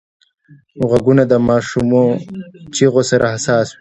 غوږونه د ماشومو چیغو سره حساس وي